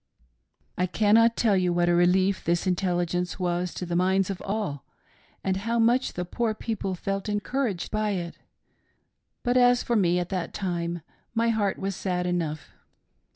" I cannot tell you what a relief this intelligence was to the minds of all, alid how much the poor people felt encouraged ' by it. But as for me, at that time my heart was sad enough.